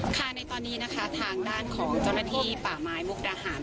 ค่ะในตอนนี้นะคะทางด้านของเจ้าหน้าที่ป่าไม้มุกดาหาร